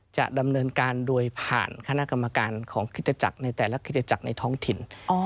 จะดำเนินการโดยผ่านคณะกรรมการของคิตจักรในแต่ละคิตจักรในท้องถิ่น